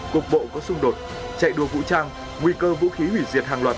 cục bộ có xung đột chạy đua vũ trang nguy cơ vũ khí hủy diệt hàng loạt